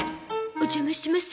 お邪魔します。